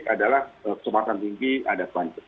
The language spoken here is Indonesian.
sudah tiba tiba dia berhasil mengganda